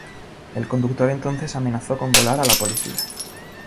El conductor entonces amenazó con volar a la policía.